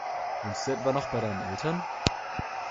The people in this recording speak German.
Wohnst du etwa noch bei deinen Eltern?